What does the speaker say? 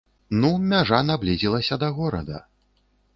Ну, мяжа наблізілася да горада.